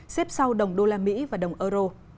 xếp sau đồng đô la mỹ và đồng euro